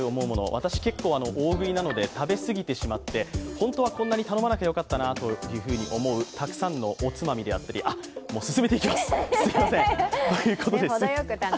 私、結構大食いなので、食べすぎてしまって本当はこんなに頼まなきゃよかったなと思うたくさんのおつまみであったりあっ、進めていきます！